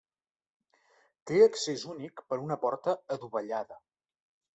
Té accés únic per una porta adovellada.